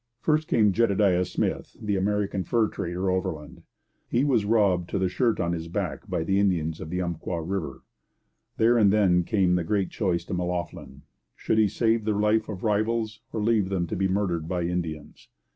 First came Jedediah Smith, the American fur trader, overland. He was robbed to the shirt on his back by Indians at the Umpqua river. There and then came the great choice to M'Loughlin should he save the life of rivals, or leave them to be murdered by Indians?